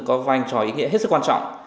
có vai trò ý nghĩa hết sức quan trọng